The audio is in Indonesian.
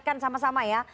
kan sama sama ya